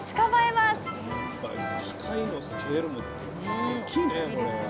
やっぱり機械のスケールも大きいね